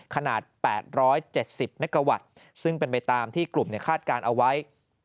ขนาด๘๗๐เมกาวัตต์ซึ่งเป็นไปตามที่กลุ่มคาดการณ์เอาไว้